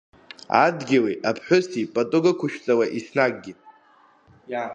Адгьыли аԥҳәыси пату рықәшәҵала иаснагьгьы.